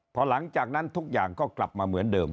พอหลังจากนั้นทุกอย่างก็กลับมาเหมือนเดิม